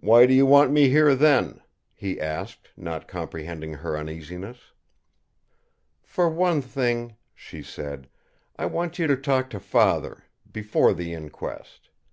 "Why do you want me here then?" he asked, not comprehending her uneasiness. "For one thing," she said, "I want you to talk to father before the inquest.